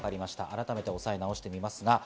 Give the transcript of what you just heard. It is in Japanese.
改めておさえ直します。